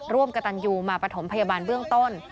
ร่วมกับตันยูมาปฐมพยาบาลเบื้องต้น